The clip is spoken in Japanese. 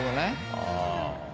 ああ。